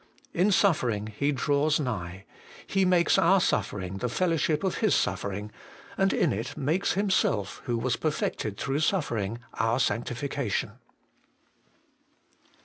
In suffering He draws nigh ; He makes our suffering the fellowship of His suffering ; and in it makes Himself, who was perfected through suffering, our Sanctification.